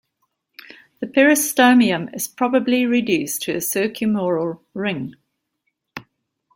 The peristomium is probably reduced to a circumoral ring.